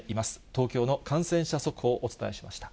東京の感染者速報をお伝えしました。